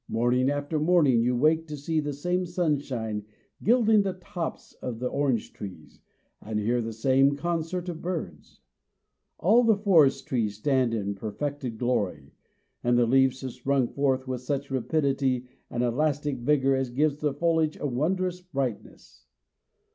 Morning after morning, you wake to see the same sunshine gilding the tops of the orange trees, and hear the same concert of birds. All the forest trees stand in perfected glory; and the leaves have sprung forth with such rapidity and elastic vigor as gives the foliage a wondrous brightness.